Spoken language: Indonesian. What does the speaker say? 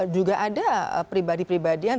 juga ada pribadi pribadian